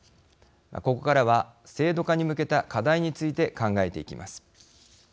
ここからは制度化に向けた課題について考えていきます。